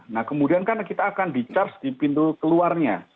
nah kemudian kan kita akan di charge di pintu keluarnya